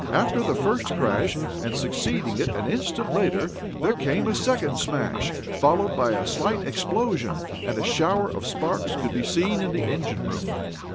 After the first crash, and succeeding it an instant later, there came a second smash, followed by a slight explosion, and a shower of sparks could be seen in the engine room.